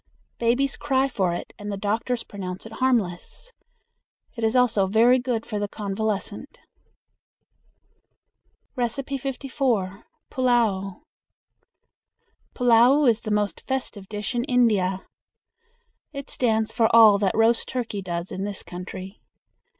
"Babies cry for it, and the doctors pronounce it harmless." It is also very good for the convalescent. 54. Pullao. Pullao is the most festive dish in India. It stands for all that roast turkey does in this country.